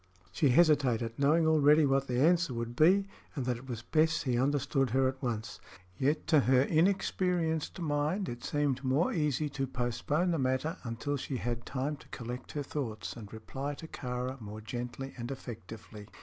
She hesitated, knowing already what the answer would be and that it was best he understood her at once. Yet to her inexperienced mind it seemed more easy to postpone the matter until she had time to collect her thoughts and reply to Kāra more gently and effectively.